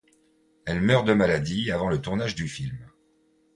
Elle meurt de maladie avant le tournage du film.